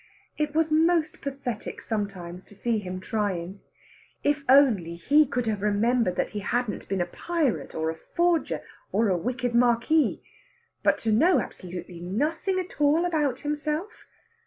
It was most pathetic sometimes to see him trying. If only he could have remembered that he hadn't been a pirate, or a forger, or a wicked Marquis! But to know absolutely nothing at all about himself!